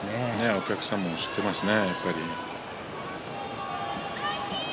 お客さんも知ってますね。